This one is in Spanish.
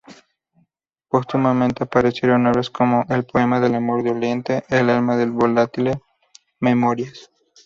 Póstumamente aparecieron obras como: El poema del amor doliente, El alma de Voltaire, Memorias.